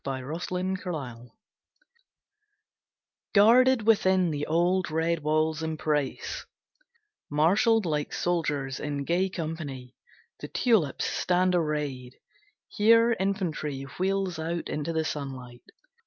A Tulip Garden Guarded within the old red wall's embrace, Marshalled like soldiers in gay company, The tulips stand arrayed. Here infantry Wheels out into the sunlight.